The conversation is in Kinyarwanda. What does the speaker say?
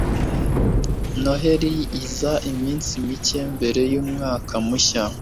Noheri iza iminsi mike mbere yumwaka mushya.